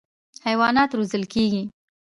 حیوانات روزل کېږي.